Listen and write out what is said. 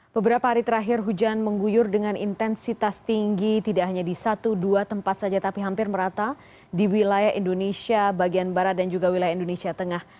beberapa hari terakhir hujan mengguyur dengan intensitas tinggi tidak hanya di satu dua tempat saja tapi hampir merata di wilayah indonesia bagian barat dan juga wilayah indonesia tengah